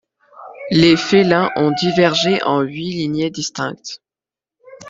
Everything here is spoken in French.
Les félins ont divergé en huit lignées distinctes.